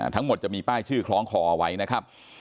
ทั้งหมดจะมีป้ายชื่อคล้องคอเอาไว้นะครับ